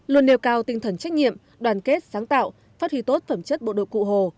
luôn nêu cao tinh thần trách nhiệm đoàn kết sáng tạo phát huy tốt phẩm chất bộ đội cụ hồ